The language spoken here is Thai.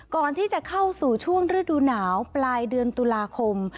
ก่อนที่จะเข้าสู่ช่วงฤดูหนาวปลายเดือนตุลาคม